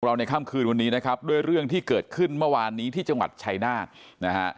มุกเราในค่ำคืนวันนี้ด้วยเรื่องที่เกิดขึ้นเมื่อวานนี้ที่จังหวัดชัยนาฬ